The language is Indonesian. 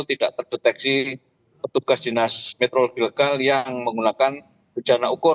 tidak terdeteksi petugas dinas metrologi legal yang menggunakan bejana ukur